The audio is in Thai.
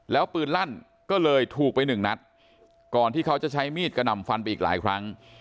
แล้วปืนลั่นก็เลยถูกไปหนึ่งนัดก่อนที่เขาจะใช้มีดกระหน่ำฟันไปอีกหลายครั้ง